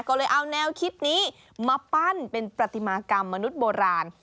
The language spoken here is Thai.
ก็เลยเอาแนวคิดนี้มาปั้นเป็นปฏิมากรรมมนุษย์โบราณ